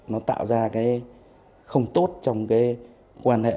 nó tạo ra cái không tốt trong cái quan hệ